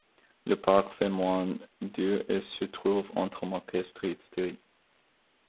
Le parc fait moins de et se trouve entre Market Street Street.